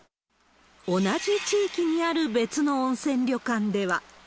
同じ地域にある別の温泉旅館では。